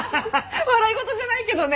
笑い事じゃないけどね。